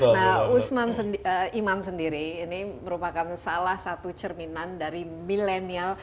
nah usman sendiri ini merupakan salah satu cerminan dari milenial